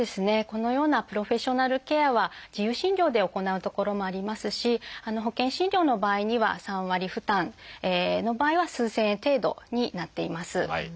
このようなプロフェッショナルケアは自由診療で行う所もありますし保険診療の場合には３割負担の場合は数千円程度になっています。